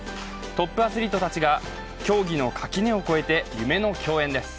トップアスリートたちが競技の垣根を越えて夢の共演です。